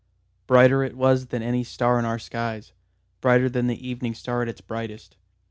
Brighter it was than any star in our skies; brighter than the evening star at its brightest.